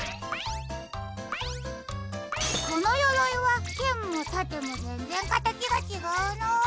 このよろいはけんもたてもぜんぜんかたちがちがうな。